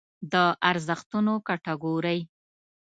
د ارزښتونو کټګورۍ